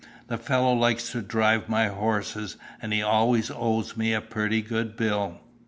The fellow likes to drive my horses, and he always owes me a pretty good bill.